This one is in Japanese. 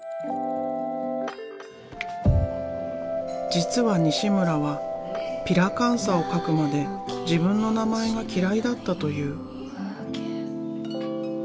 実は西村はピラカンサを描くまで自分の名前が嫌いだったという。